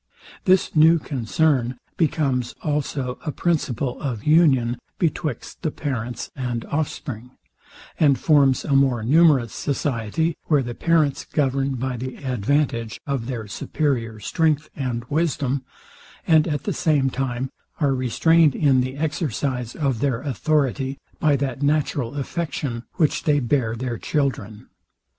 This new concern becomes also a principle of union betwixt the parents and offspring, and forms a more numerous society; where the parents govern by the advantage of their superior strength and wisdom, and at the same time are restrained in the exercise of their authority by that natural affection, which they bear their children.